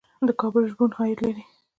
د کابل ژوبڼ عاید لري